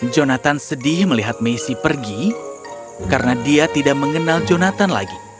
jonathan sedih melihat messi pergi karena dia tidak mengenal jonathan lagi